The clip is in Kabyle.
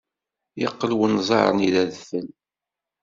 Yeqqel unẓar-nni d adfel.